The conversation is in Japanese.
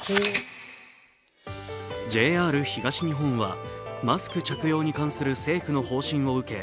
ＪＲ東日本はマスク着用に関する政府の方針を受け